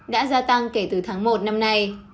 đã gia tăng kể từ tháng một năm nay